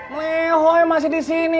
mlehoy masih disini